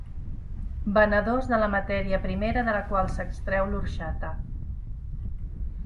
Venedors de la matèria primera de la qual s'extreu l'orxata.